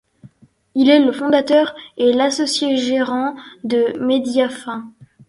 Il est le fondateur et l’associé-gérant de Mediafin.